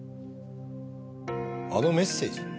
あのメッセージ？